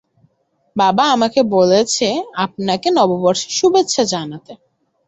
বাবা আমাকে বলেছে আপনাকে নববর্ষের শুভেচ্ছা জানাতে।